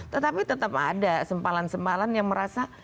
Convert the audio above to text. tetapi tetap ada sempalan sempalan yang merasa